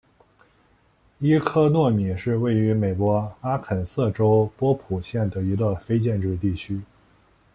伊科诺米是位于美国阿肯色州波普县的一个非建制地区。